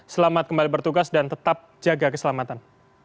selamat kembali bertugas dan tetap jaga keselamatan